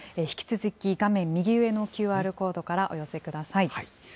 引き続き、画面右上のＱＲコードからお寄せください。